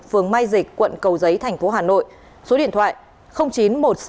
phường mai dịch quận cầu giấy tp hà nội số điện thoại chín một sáu bảy bảy bảy bảy sáu bảy